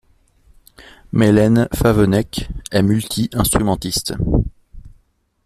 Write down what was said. Melaine Favennec est multi-instrumentiste.